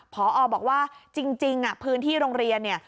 พอออกบอกว่าจริงพื้นที่โรงเรียน